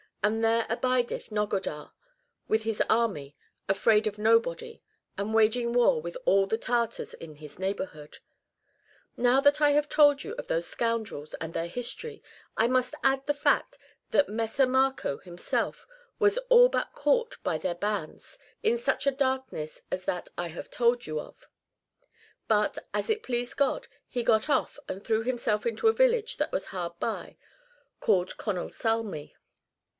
And there abideth Nogodar with his army, afraid of nobody, and waging war with all the Tartars in his neighbourhood.^ Now that I have told you of those scoundrels and their history, I must add the fact that Messer Marco himself was all but caught by their bands in such a darkness as that I have told you of; but, as it pleased God, he got off and threw himself into a village that was hard by, called Conosalmi.